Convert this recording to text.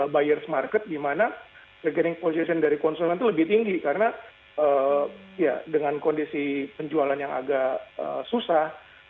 buyer's market dimana the getting position dari konsumen itu lebih tinggi karena ya dengan kondisi penjualan yang agak susah